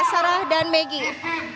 sarah dan maggie